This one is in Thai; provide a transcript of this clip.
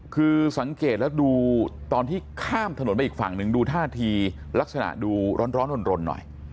คือสังเกตแล้วดูตอนที่ข้ามถนนไปอีกฝั่งหนึ่งดูท่าทีลักษณะดูร้อนรนหน่อย